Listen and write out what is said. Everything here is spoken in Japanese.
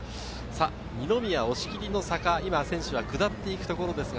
二宮・押切の坂を選手が下っていくところです。